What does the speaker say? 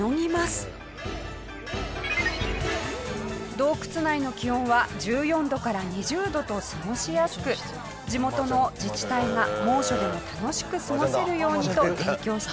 洞窟内の気温は１４度から２０度と過ごしやすく地元の自治体が猛暑でも楽しく過ごせるようにと提供しています。